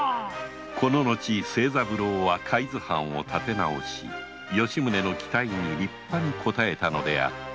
こののち清三郎は海津藩をたて直し吉宗の期待に立派に応えたのであった